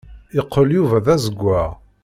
Yeqqel Yuba d azewwaɣ.